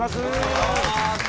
お願いします！